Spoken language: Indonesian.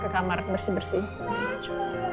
ke kamar bersih bersih